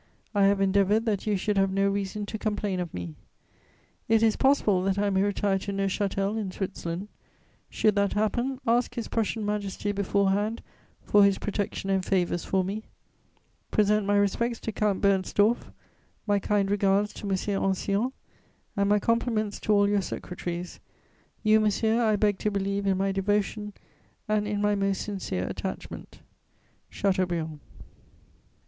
I have endeavoured that you should have no reason to complain of me. "It is possible that I may retire to Neuchâtel, in Switzerland; should that happen, ask His Prussian Majesty beforehand for his protection and favours for me; present my respects to Count Bernstorff, my kind regards to M. Ancillon, and my compliments to all your secretaries. You, monsieur, I beg to believe in my devotion and in my most sincere attachment. "CHATEAUBRIAND."